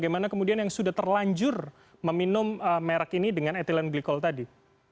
bagaimana kemudian yang sudah terlanjur meminum merek ini dengan etilen glikol tadi